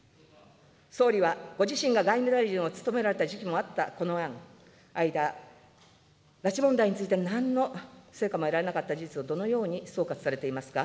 総理はご自身が外務大臣を務められた時期もあったこの間、間、拉致問題について、なんの成果も得られなかった事実をどのように総括されていますか。